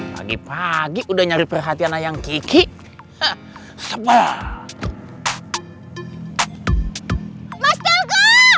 pagi pagi udah nyari perhatian ayang kiki sebar